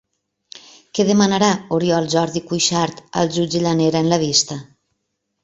Què demanarà Oriol Jordi Cuixart al jutge Llanera en la vista?